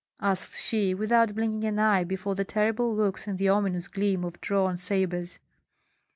asked she, without blinking an eye before the terrible looks and the ominous gleam of drawn sabres.